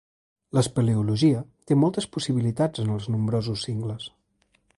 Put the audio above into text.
L'espeleologia té moltes possibilitats en els nombrosos cingles.